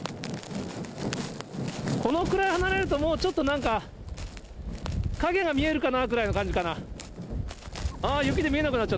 このくらい離れると、ちょっとなんか、影が見えるかなというぐらいな感じかな。